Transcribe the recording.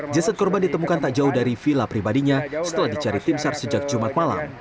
jasad korban ditemukan tak jauh dari villa pribadinya setelah dicari tim sar sejak jumat malam